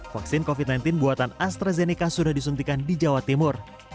vaksin covid sembilan belas buatan astrazeneca sudah disuntikan di jawa timur